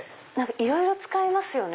いろいろ使えますよね。